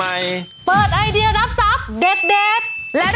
เปิดไอเดียรับทรัพย์เด็ด